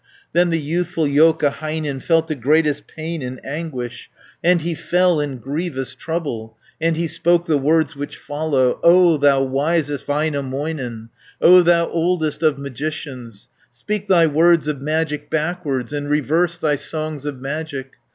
340 Then the youthful Joukahainen Felt the greatest pain and anguish, And he fell in grievous trouble, And he spoke the words which follow: "O thou wisest Väinämöinen, O thou oldest of magicians, Speak thy words of magic backwards, And reverse thy songs of magic.